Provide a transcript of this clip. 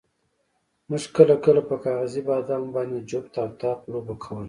موږ کله کله په کاغذي بادامو باندې جفت او طاق لوبه کوله.